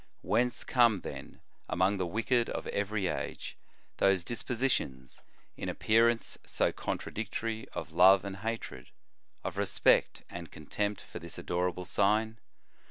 Whence come, then, among the wicked of every age, those dispositions, in appearance so contradictory, of love and hatred, of respect and contempt for this adorable sign